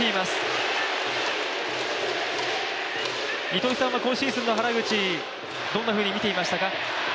糸井さんは今シーズンの原口、どんなふうに見ていましたか？